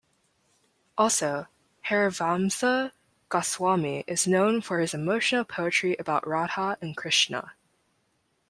Also, Harivamsa Goswami is known for his emotional poetry about Radha and Krishna.